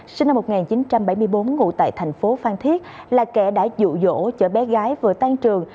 sinh năm một nghìn chín trăm bảy mươi bốn ngụ tại thành phố phan thiết là kẻ đã dụ dỗ chở bé gái vừa tan trường